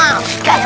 kayak bapak lili